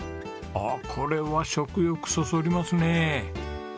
あっこれは食欲そそりますねえ！